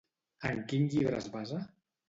En quin llibre es basa?